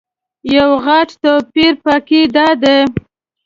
یو غټ توپیر په کې دادی.